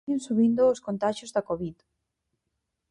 Seguen subindo os contaxios da covid.